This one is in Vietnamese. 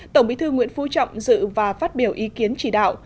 tổng bí thư nguyễn phú trọng dự và phát biểu ý kiến chỉ đạo